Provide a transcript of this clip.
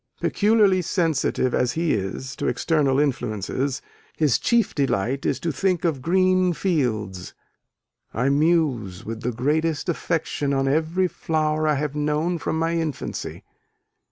Peculiarly sensitive, as he is, to external influences, his chief delight is to "think of green fields ... I muse with the greatest affection on every flower I have known from my infancy."